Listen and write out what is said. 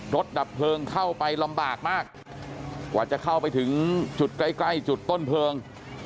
ดับเพลิงเข้าไปลำบากมากกว่าจะเข้าไปถึงจุดใกล้ใกล้จุดต้นเพลิง